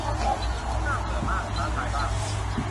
น่าเบื่อบ้าง ท้าทายบ้าง